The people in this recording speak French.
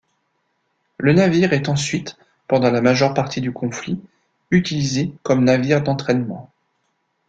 Le navire est ensuite, pendant la majeure partie du conflit, utilisé comme navire d'entraînement.